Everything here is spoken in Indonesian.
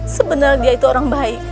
sebenarnya dia itu orang baik